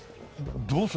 どうする？